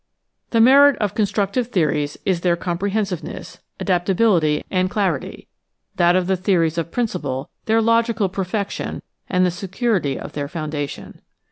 The merit of constructive theories in their comprehensiveness, adapta bility, and clarity, that of the theories of principle, their logical perfection, and the security of their foundation.